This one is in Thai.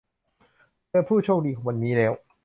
เจอผู้โชคดีของวันนี้แล้ว